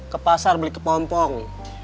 ke pasar beli kepompong